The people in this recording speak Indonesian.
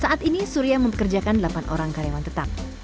saat ini surya mempekerjakan delapan orang karyawan tetap